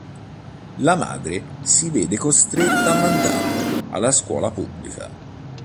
La madre si vede costretta a mandarlo alla scuola pubblica.